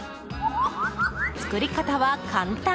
作り方は簡単。